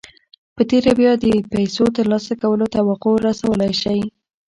په تېره بیا د پیسو ترلاسه کولو توقع رسولای شئ